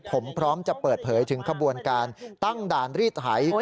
ผมพร้อมจะเปิดเผยถึงขบวนการตั้งด่านรีดไถ